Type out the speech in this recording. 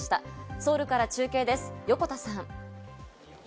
ソウルから中継です、横田さん。